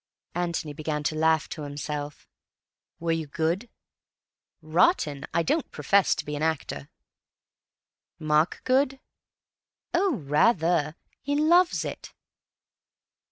Antony began to laugh to himself. "Were you good?" "Rotten. I don't profess to be an actor." "Mark good?" "Oh, rather. He loves it."